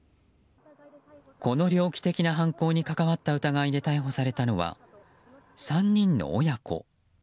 この猟奇的な犯行に関わった疑いで逮捕されたのは３人の親子。